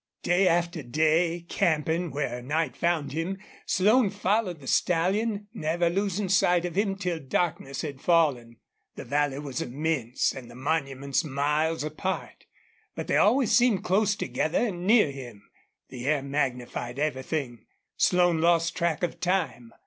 Day after day, camping where night found him, Slone followed the stallion, never losing sight of him till darkness had fallen. The valley was immense and the monuments miles apart. But they always seemed close together and near him. The air magnified everything. Slone lost track of time.